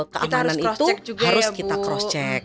keamanan itu harus kita cross check